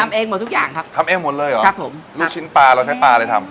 เองหมดทุกอย่างครับทำเองหมดเลยเหรอครับผมลูกชิ้นปลาเราใช้ปลาอะไรทำ